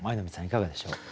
いかがでしょう？